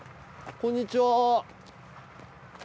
こんにちは。